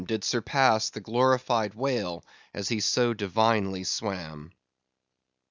did surpass the glorified White Whale as he so divinely swam.